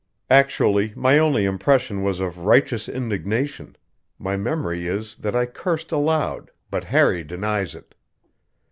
Actually, my only impression was of righteous indignation; my memory is that I cursed aloud, but Harry denies it.